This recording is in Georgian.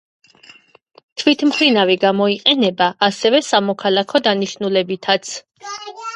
თვითმფრინავის გამოიყენება ასევე სამოქალაქო დანიშნულებითაც.